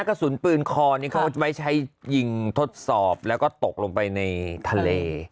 กระสุนปืนคอนี่เขาจะไว้ใช้ยิงทดสอบแล้วก็ตกลงไปในทะเล